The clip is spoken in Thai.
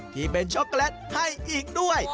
ที่เป็นช็อกโกแลตให้อีกด้วย